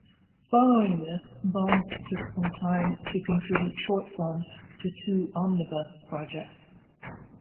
Following this, Bong took some time to contribute short films to two omnibus projects.